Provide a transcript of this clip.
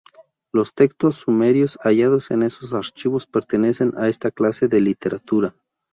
Los textos sumerios hallados en esos archivos pertenecen a esta clase de literatura.